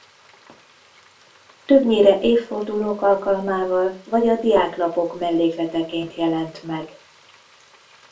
Többnyire évfordulók alkalmával vagy a diáklapok mellékleteként jelent meg.